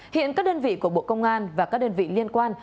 hiện các đơn vị của bộ công an và các đơn vị liên quan